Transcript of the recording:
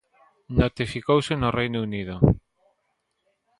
Notificouse no Reino Unido.